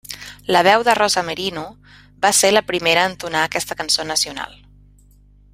La veu de Rosa Merino va ser la primera a entonar aquesta cançó nacional.